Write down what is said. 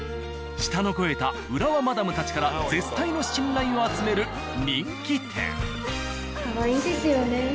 舌の肥えた浦和マダムたちから絶対の信頼を集める人気店。